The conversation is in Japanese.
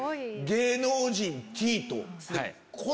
芸能人Ｔと。